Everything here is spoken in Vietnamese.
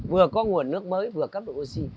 vừa có nguồn nước mới vừa cấp được oxy